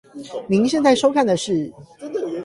您現在收看的是